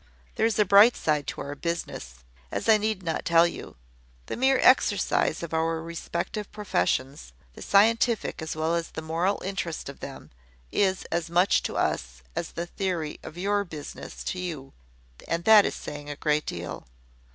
There is a bright side to our business, as I need not tell you. The mere exercise of our respective professions, the scientific as well as the moral interest of them, is as much to us as the theory of your business to you; and that is saying a great deal.